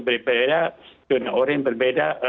berbeda jurnal oranye berbeda